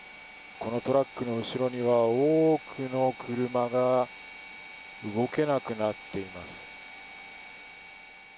このトラックの後ろには多くの車が動けなくなっています。